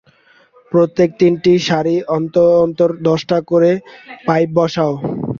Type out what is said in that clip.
প্রত্যেক তিনটি সারি অন্তর অন্তর দশটা করে পাইপ বসাও।